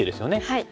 はい。